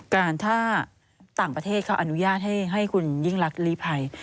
ถ้าต่างประเทศเขาอนุญาตให้คุณยิ่งรักลีภัย